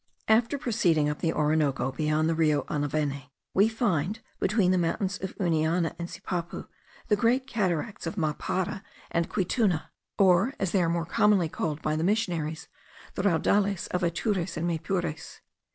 After proceeding up the Orinoco beyond the Rio Anaveni, we find, between the mountains of Uniana and Sipapu, the Great Cataracts of Mapara and Quittuna, or, as they are more commonly called by the missionaries, the Raudales of Atures and Maypures.